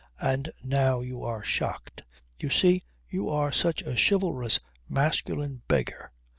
And now you are shocked. You see, you are such a chivalrous masculine beggar.